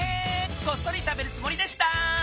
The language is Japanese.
こっそり食べるつもりでした。